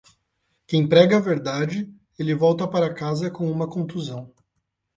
Quem prega a verdade, ele volta para casa com uma contusão.